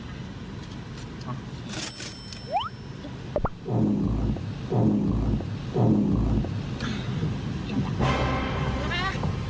วันหน้า